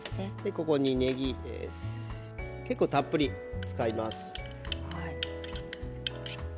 ここにねぎのみじん切り結構たっぷり使います。